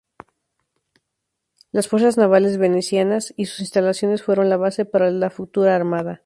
Las fuerzas navales venecianas y sus instalaciones fueron la base para la futura armada.